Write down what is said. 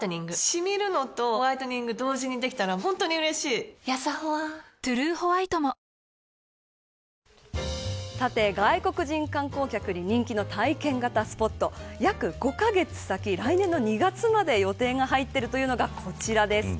シミるのとホワイトニング同時にできたら本当に嬉しいやさホワ「トゥルーホワイト」もさて、外国人観光客に人気の体験型スポット約５カ月先、来年の２月まで予定が入っているというのがこちらです。